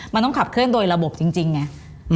มันต้องขับเคลื่อนโดยระบบจริงไง